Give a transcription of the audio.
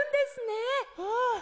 うん！